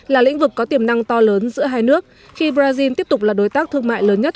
là lĩnh vực có tiềm năng to lớn giữa hai nước khi brazil tiếp tục là đối tác thương mại lớn nhất